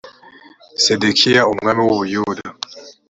sedekiyao umwami w’u buyuda